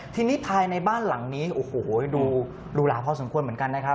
ทีนี้ภายในบ้านหลังนี้โอ้โหดูรูหลาพอสมควรเหมือนกันนะครับ